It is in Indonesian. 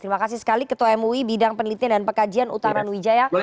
terima kasih sekali ketua mui bidang penelitian dan pekajian utara nujaya